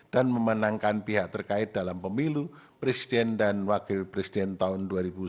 dan memenangkan pihak terkait dalam pemilu presiden dan wakil presiden tahun dua ribu sembilan belas